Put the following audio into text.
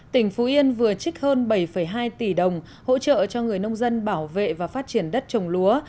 tỉnh phú yên vừa trích hơn bảy hai tỷ đồng hỗ trợ cho người nông dân bảo vệ và phát triển đất trồng lúa